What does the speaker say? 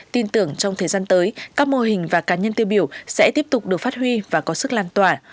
tin tưởng trong thời gian tới các mô hình và cá nhân tiêu biểu sẽ tiếp tục được phát huy và có sức lan tỏa